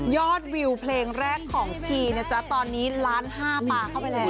วิวเพลงแรกของชีนะจ๊ะตอนนี้ล้านห้าปลาเข้าไปแล้ว